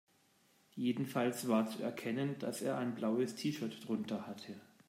Jedenfalls war zu erkennen, dass er ein blaues T-Shirt drunter hatte.